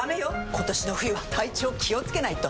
今年の冬は体調気をつけないと！